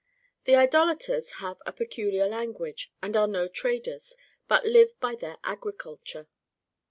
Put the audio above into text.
The Idolaters have a peculiar language, and are no traders, but live by their agriculture.